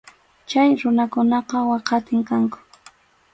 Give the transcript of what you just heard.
Chay runakunaqa waqatim kanku.